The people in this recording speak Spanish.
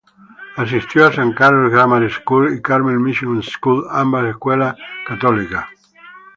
Asistió a San Carlos Grammar School y Carmel Mission School, ambas escuelas católicas.